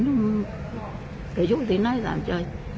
มันคุยที่ได้นายตามใจ